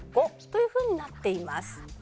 ５というふうになっています。